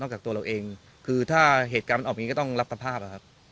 จากตัวเราเองคือถ้าเหตุการณ์มันออกอย่างนี้ก็ต้องรับสภาพอะครับ